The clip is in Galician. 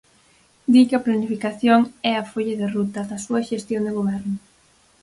Di que "a planificación" é a "folla de ruta" da súa xestión de goberno.